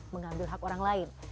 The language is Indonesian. mengambil hak orang lain